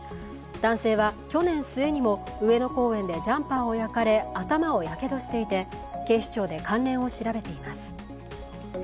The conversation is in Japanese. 男性は去年末にも上野公園でジャンパーを焼かれ、頭をやけどしていて警視庁で関連を調べています。